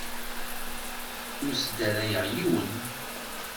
Ur sdarayeɣ yiwen.